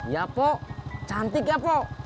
ya pok cantik ya pok